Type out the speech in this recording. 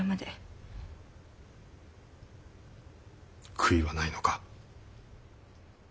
悔いはないのか？